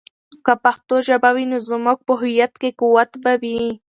که پښتو ژبه وي، نو زموږ په هویت کې قوت به وي.